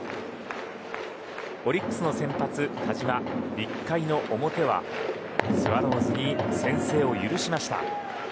オリックスの先発、田嶋１回の表はスワローズに先制を許しました。